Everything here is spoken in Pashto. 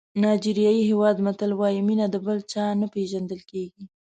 نایجېریا هېواد متل وایي مینه د بل چا نه پېژندل کېږي.